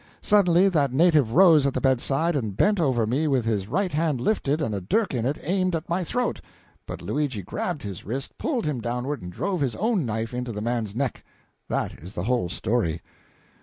Suddenly that native rose at the bedside, and bent over me with his right hand lifted and a dirk in it aimed at my throat; but Luigi grabbed his wrist, pulled him downward, and drove his own knife into the man's neck. That is the whole story."